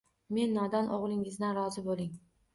Men nodon o‘g‘lingizdan rozi bo‘ling!